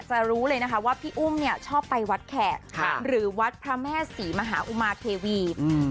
รู้เลยนะคะว่าพี่อุ้มเนี่ยชอบไปวัดแขกหรือวัดพระแม่ศรีมหาอุมาเทวี